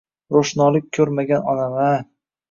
Ro‘shnolik ko‘rmagan onam-a!